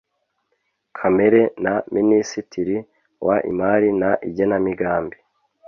Kamere na Minisitiri w Imari n Igenamigambi